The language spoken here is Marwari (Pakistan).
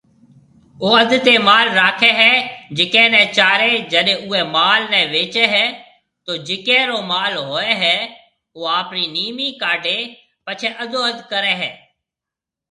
او اڌ تيَ مال راکيَ ھيََََ جڪيَ نيَ چارَي جڏَي اوئيَ مال نيَ وچيَ ھيََََ تو جڪيَ رو مال ھوئيَ ھيََََ او آپرِي نيمي ڪاڊَي پڇيَ اڌو اڌ ڪرَي ھيَََ